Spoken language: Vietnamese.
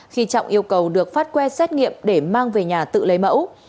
khi trọng yêu cầu được phát que xét nghiệm để mang về nhà tự lấy mẫu